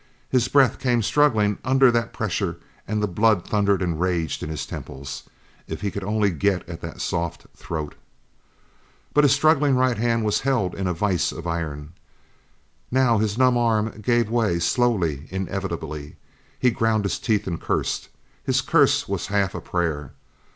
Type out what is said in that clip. His breath came struggling under that pressure and the blood thundered and raged in his temples. If he could only get at that soft throat! But his struggling right hand was held in a vice of iron. Now his numb arm gave way, slowly, inevitably. He ground his teeth and cursed. His curse was half a prayer.